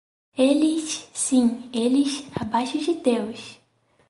Eles, sim, eles abaixo de Deus.